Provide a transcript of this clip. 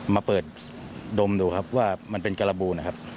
มาเปิดดมดูครับว่ามันเป็นการบูนะครับ